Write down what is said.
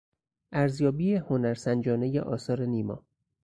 ارزیابی هنرسنجانهی آثار نیما